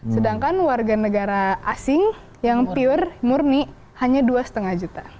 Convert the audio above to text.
sedangkan warga negara asing yang pure murni hanya dua lima juta